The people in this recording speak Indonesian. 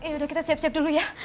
yaudah kita siap siap dulu ya